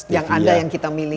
yang ada yang kita milih